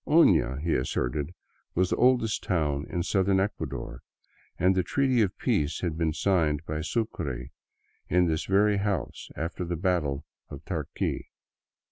Oiia, he asserted, was the oldest town in Southern Ecuador, and the treaty of peace had been signed by Sucre in this very house after the battle of Tarqui.